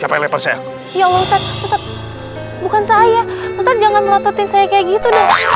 siapa yang lepar saya yang bukan saya jangan political gitu